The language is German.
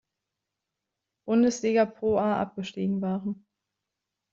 Bundesliga ProA abgestiegen waren.